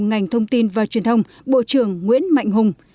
ngành thông tin và truyền thông bộ trưởng nguyễn mạnh hùng